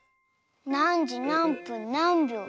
なんじなんぷんなんびょう？